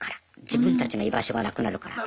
自分たちの居場所がなくなるから。